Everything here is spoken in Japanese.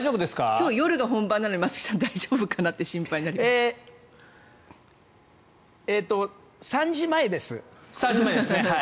今日夜が本番なのに松木さん、大丈夫かなと心配になります。